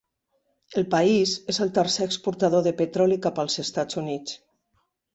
El país és el tercer exportador de petroli cap als Estats Units.